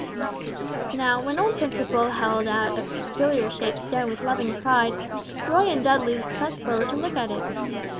Now when old Principle held out a peculiar shaped stone with loving pride, Roy and Dudley pressed forward to look at it.